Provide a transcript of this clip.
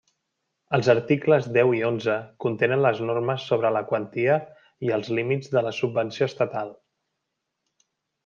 Els articles deu i onze contenen les normes sobre la quantia i els límits de la subvenció estatal.